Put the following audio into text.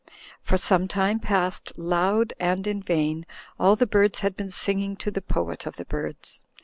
For some time past, loud and in vain, all the birds had been singing to the Poet of the Birds.